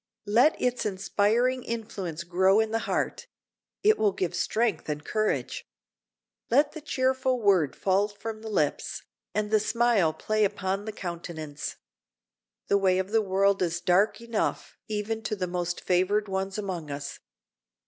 Let its inspiring influence grow in the heart; it will give strength and courage. Let the cheerful word fall from the lips, and the smile play upon the countenance. The way of the world is dark enough even to the most favored ones among us.